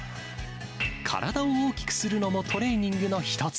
体を大きくするのもトレーニングの１つ。